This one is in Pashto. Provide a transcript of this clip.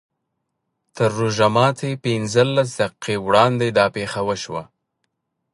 تر روژه ماتي پینځلس دقیقې وړاندې دا پېښه وشوه.